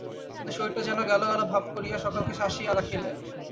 কিন্তু শরীরটা যেন গেল-গেল ভাব করিয়া সকলকে শাসাইয়া রাখিলেন।